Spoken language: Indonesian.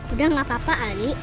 udah gak apa apa anik